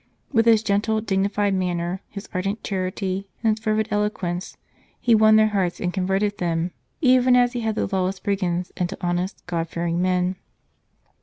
With his gentle, dignified manner, his ardent charity, and his fervid elo quence, he won their hearts and converted them, even as he had the lawless brigands, into honest, God fearing men.